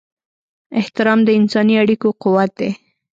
احترام د انساني اړیکو قوت دی.